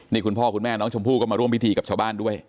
นี่คุณพ่อคุณแม่น้องชมพู่ก็มาร่วมพิธีกับชาวบ้านด้วย